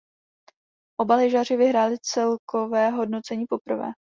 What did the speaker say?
Oba lyžaři vyhráli celkové hodnocení poprvé.